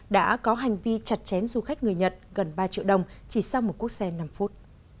đã có hành vi chặt chém du khách người nhật gần ba triệu đồng chỉ sau một cuốc xe năm phút